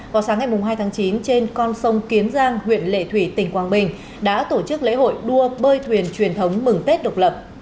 vào sáng ngày hai tháng chín trên con sông kiến giang huyện lệ thủy tỉnh quảng bình đã tổ chức lễ hội đua bơi thuyền truyền thống mừng tết độc lập